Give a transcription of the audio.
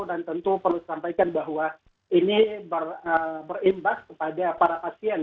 dan tentu perlu disampaikan bahwa ini berimbas kepada para pasien